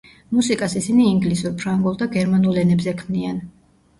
მუსიკას ისინი ინგლისურ, ფრანგულ და გერმანულ ენებზე ქმნიან.